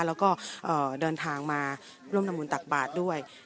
แล้วก็เดินทางมาทำวนตักบาทด้วย